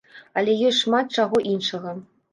Але ёсць шмат чаго іншага.